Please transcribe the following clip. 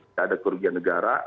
tidak ada kerugian negara